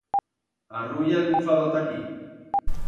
Arrulla el bufador ta aquí.